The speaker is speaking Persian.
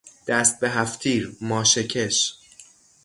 دست به هفتتیر، ماشه کش